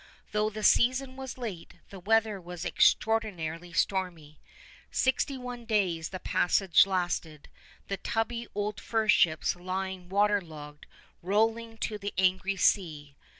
Though the season was late, the weather was extraordinarily stormy. Sixty one days the passage lasted, the tubby old fur ships lying water logged, rolling to the angry sea.